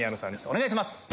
お願いします。